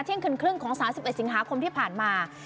เที่ยงคืนครึ่งของ๓๑สิงหาคมที่ผ่านมา